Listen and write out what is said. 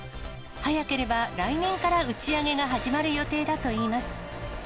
早ければ来年から打ち上げが始まる予定だといいます。